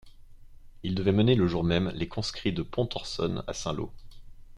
Il devait mener le jour même les conscrits de Pontorson à Saint-Lô.